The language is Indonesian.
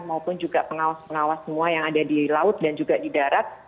maupun juga pengawas pengawas semua yang ada di laut dan juga di darat